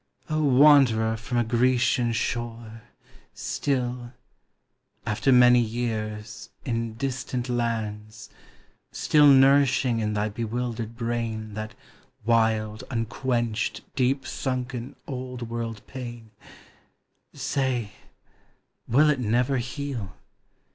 O wanderer from a Grecian shore, Still, — after many years, in distant lands, — Still nourishing in thy bewildered brain That wild, unquenched, deep sunken, Old world pain, — Say, will it never heal?